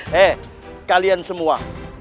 hei kalian semua